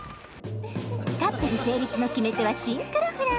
カップル成立の決め手は「シンクロ」フラ。